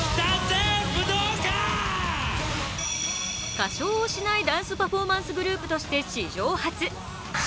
歌唱をしないダンスパフォーマンスグループとして史上初、ｓ＊＊